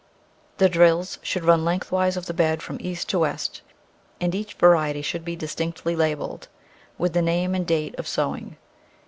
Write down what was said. The drills should run lengthwise of the bed from east to west, and each variety should be distinctly labelled with name and date of sowing.